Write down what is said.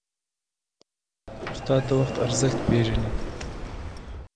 استاد د وخت ارزښت پېژني.